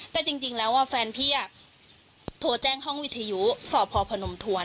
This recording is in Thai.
แต่จริงแล้วแฟนพี่โทรแจ้งห้องวิทยุสพพนมทวน